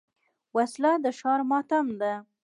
وسله د ښار ماتم ده